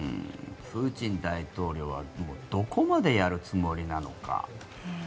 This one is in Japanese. プーチン大統領はもうどこまでやるつもりなのか。